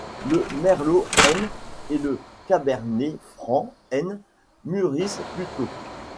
Le merlot N et le cabernet franc N mûrissent plus tôt.